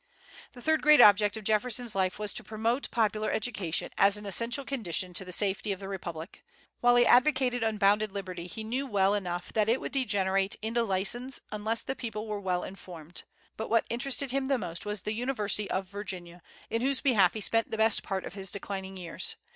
The third great object of Jefferson's life was to promote popular education as an essential condition to the safety of the republic. While he advocated unbounded liberty, he knew well enough that it would degenerate into license unless the people were well informed. But what interested him the most was the University of Virginia, in whose behalf he spent the best part of his declining years.